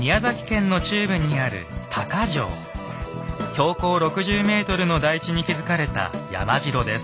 標高６０ｍの台地に築かれた山城です。